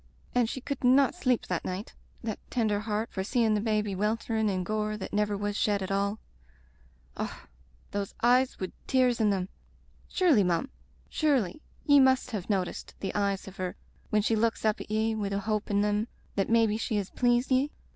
And she could not sleep the night, that tender heart, for seein' the baby wel terin' in gore that never was shed at all. Och — those eyes wid tears in them! Surely, mum — ^surely, ye must have noticed the eyes of her when she looks up at ye wid the hope in them that maybe she has pleased ye?